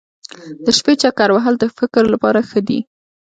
د شپې چکر وهل د فکر لپاره ښه دي.